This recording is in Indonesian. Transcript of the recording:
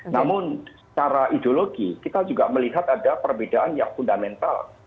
namun secara ideologi kita juga melihat ada perbedaan yang fundamental